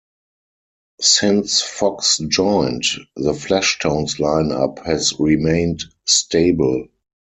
Since Fox joined, the Fleshtones lineup has remained stable.